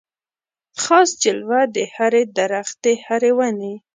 خاص جلوه د هري درختي هري وني